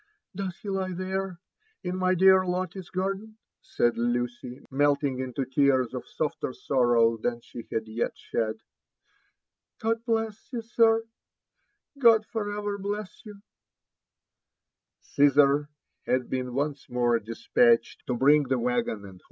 "Does be lie there f — in my dear Lotte's garden?" said Lucy, melting into tears of softer sorrow than she had yet shed. " God bless you, sir? — God for ever bless you I" Cnsar had been once more despatched to bring the waggon and JONATHAN JEFFERSON VVHITLAW.